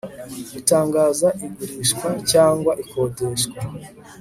gutangaza igurishwa cyangwa ikodeshwa